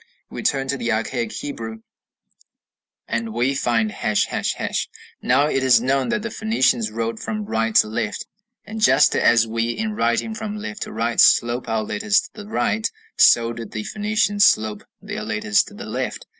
We turn to the archaic Hebrew, and we find ###. Now it is known that the Phoenicians wrote from right to left, and just as we in writing from left to right slope our letters to the right, so did the Phoenicians slope their letters to the left.